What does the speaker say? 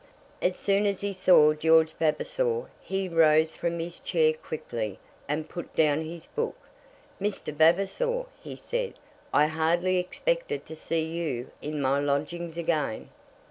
As soon as he saw George Vavasor, he rose from his chair quickly, and put down his book. "Mr. Vavasor," he said, "I hardly expected to see you in my lodgings again!"